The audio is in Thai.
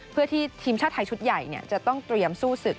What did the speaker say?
เพื่อที่ทีมชาติไทยชุดใหญ่จะต้องเตรียมสู้ศึก